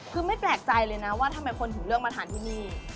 คือไม่แปลกใจเลยนะว่าทำไมคนถึงเลือกมาทานที่นี่